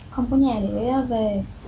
không có nhà để về